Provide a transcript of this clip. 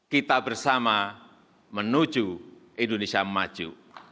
kita bersama menuju indonesia maju